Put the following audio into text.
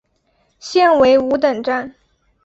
现为五等站。